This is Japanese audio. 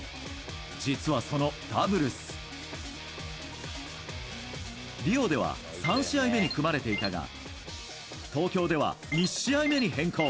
実はそのダブルス、リオでは３試合目に組まれていたが東京では１試合目に変更。